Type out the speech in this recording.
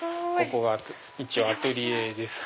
ここが一応アトリエです。